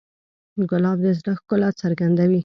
ګلاب د زړه ښکلا څرګندوي.